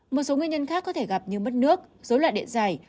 một số nguyên nhân khác có thể gặp như mất nước dối loạn điện dài